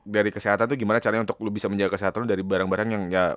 dari kesehatan tuh gimana caranya untuk bisa menjaga kesehatan dari barang barang yang nggak